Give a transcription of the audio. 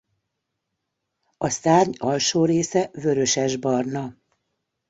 A szárny alsó része vörösesbarna.